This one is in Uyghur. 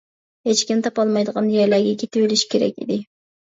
ھېچكىم تاپالمايدىغان يەرلەرگە كېتىۋېلىش كېرەك ئىدى.